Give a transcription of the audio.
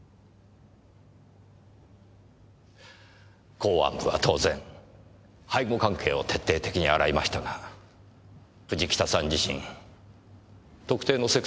公安部は当然背後関係を徹底的に洗いましたが藤北さん自身特定のセクトには所属していませんでした。